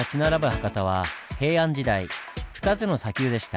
博多は平安時代２つの砂丘でした。